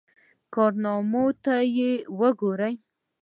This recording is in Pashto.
کارنامې ته وګورو.